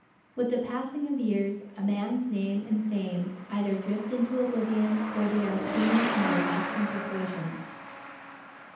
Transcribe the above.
With the passing of years, a man's name and fame either drift into oblivion or they are seen in their lasting proportions.